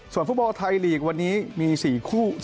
ฟุตบอลไทยลีกวันนี้มี๔คู่